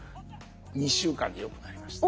２週間でよくなりました。